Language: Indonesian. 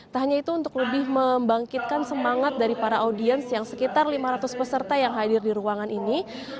tak hanya itu untuk lebih membangkitkan semangat dari para audiens yang sekitar lima ratus peserta yang hadir di ruangan ini